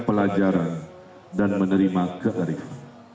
pelajaran dan menerima kearifan